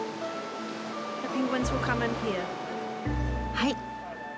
はい。